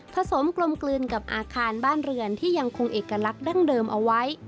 สมกลมกลืนกับอาคารบ้านเรือนที่ยังคงเอกลักษณ์ดั้งเดิมเอาไว้